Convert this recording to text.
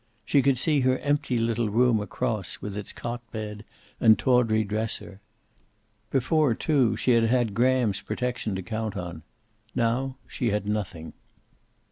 She could see her empty little room across, with its cot bed and tawdry dresser. Before, too, she had had Grahams protection to count on. Now she had nothing.